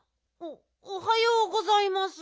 おはようございます。